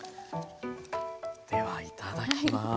ではいただきます。